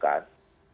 kemarin ada dua opsi